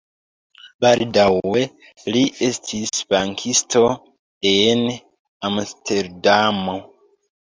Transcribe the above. Baldaŭe li estis bankisto en Amsterdamo.